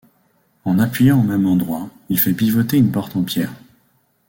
En appuyant au même endroit, il fait pivoter une porte en pierre.